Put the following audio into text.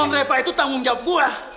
repa itu tanggung jawab gue